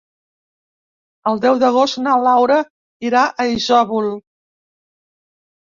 El deu d'agost na Laura irà a Isòvol.